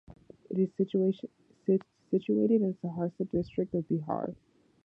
It is situated in Saharsa district of Bihar.